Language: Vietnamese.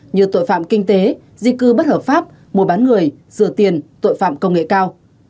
như tội phạm kinh tế di cư bất hợp pháp mua bán người rửa tiền tội phạm công nghệ cao